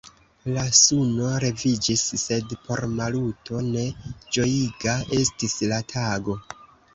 La suno leviĝis, sed por Maluto ne ĝojiga estis la tago.